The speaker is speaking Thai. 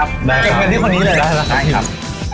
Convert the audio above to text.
ไปด้วยได้ไหม